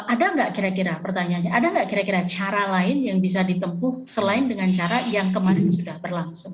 ada nggak kira kira pertanyaannya ada nggak kira kira cara lain yang bisa ditempuh selain dengan cara yang kemarin sudah berlangsung